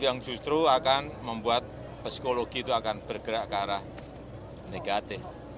yang justru akan membuat psikologi itu akan bergerak ke arah negatif